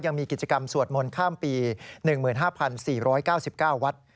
ยังมีกิจกรรมสวดมนต์ข้ามปี๑๕๔๙๙วัด